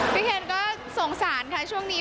เคนก็สงสารค่ะช่วงนี้